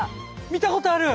見たことある！